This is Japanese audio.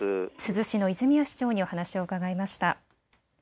珠洲市の泉谷市長にお話を伺いました。